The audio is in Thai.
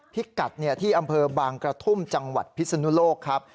พิกัดที่อำเภอบางกระทุ่มจังหวัดพิศนุโลกครับ